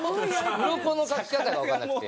うろこの描き方がわかんなくて。